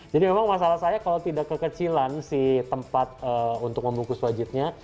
jadi memang masalah saya kalau tidak kekecilan si tempat untuk membungkus wajitnya